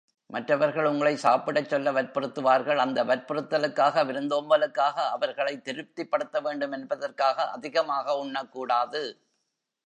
மற்றவர்கள் உங்களை சாப்பிடச் சொல்ல வற்புறுத்துவார்கள், அந்த வற்புறுத்தலுக்காக, விருந்தோம்பலுக்காக, அவர்களை திருப்திப்படுத்தவேண்டும் என்பதற்காக, அதிகமாக உண்ணக்கூடாது.